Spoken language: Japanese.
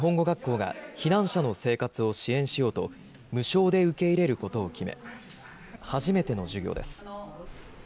学校が避難者の生活を支援しようと無償で受け入れることを決め初めての授業です。